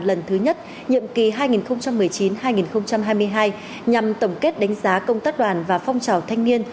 lần thứ nhất nhiệm kỳ hai nghìn một mươi chín hai nghìn hai mươi hai nhằm tổng kết đánh giá công tác đoàn và phong trào thanh niên